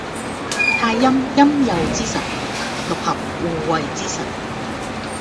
太陰陰祐之神，六合護衛之神